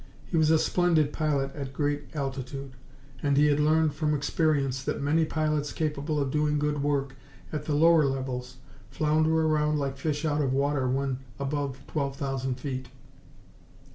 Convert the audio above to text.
He was a splendid pilot at great altitude, and he had learned from experience that many pilots capable of doing good work at the lower levels flounder around like fish out of water when above twelve thousand feet.